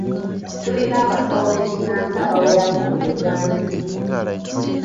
Tulina abasawo b'ekinnansi abawerako mu Uganda.